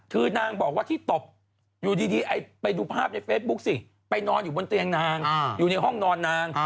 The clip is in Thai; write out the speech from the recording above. คือนางบอกว่าที่ตบอยู่ดีไปดูภาพในเฟซบุ๊กสิไปนอนอยู่บนเตียงนางอยู่ในห้องนอนนาง